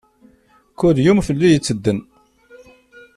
Kul yum fell-i yettedden.